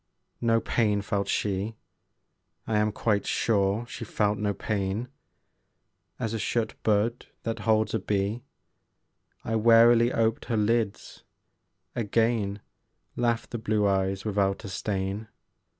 No pain felt she; I am quite sure she felt no pain. As a shut bud that holds a bee, I warily oped her lids: again Laughed the blue eyes without a stain.